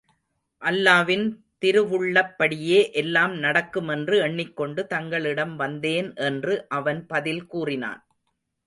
அல்லாவின் திருவுள்ளப் படியே எல்லாம் நடக்குமென்று எண்ணிக்கொண்டு தங்களிடம் வந்தேன் என்று அவன் பதில் கூறினான்.